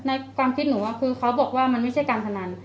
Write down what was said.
ความคิดหนูคือเขาบอกว่ามันไม่ใช่การพนัน